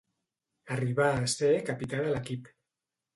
Arribà a ser capità de l'equip.